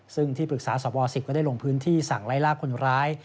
ซึ่งที่ปรึกษาสบ๑๐ก็ได้ลงพื้นที่สั่งไล่ลากคนร้าย